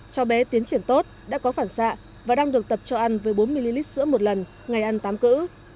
cho bé tiến triển tốt đã có phản xạ và đang được tập cho ăn với bốn ml sữa một lần ngày ăn tám cữ